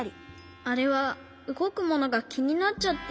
あれはうごくものがきになっちゃって。